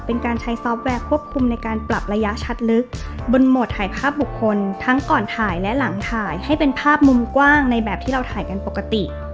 เป็นการใช้ซอฟต์แวร์ควบคุมในการปรับระยะชัดลึกบนโหมดถ่ายภาพบุคคลทั้งก่อนถ่ายและหลังถ่ายให้เป็นภาพมุมกว้างในแบบที่เราถ่ายกันปกติ